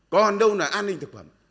còn đâu là an ninh thực phẩm